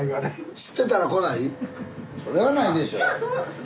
それはないでしょ。